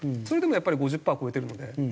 それでもやっぱり５０パーを超えてるので。